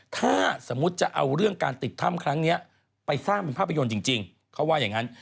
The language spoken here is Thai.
ถ้าสมมุติจะเอาเรื่องการติดถ้ำครั้งนี้ไปสร้างเป็นภาพยนตร์จริงเขาว่าอย่างนั้น